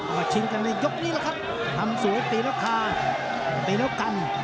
ก็ชิงกันในยกนี้แล้วครับทำสวยตีแล้วคาตีแล้วกัน